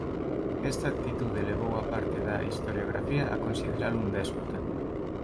Esta actitude levou a parte da historiografía a consideralo un déspota.